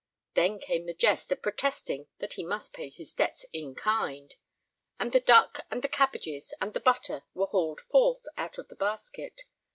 Then came the jest of protesting that he must pay his debts "in kind," and the duck and the cabbages and the butter were hauled forth out of the basket.